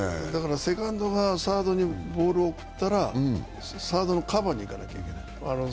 セカンドがサードにボールを送ったらサードのカバーに行かなきゃいけない。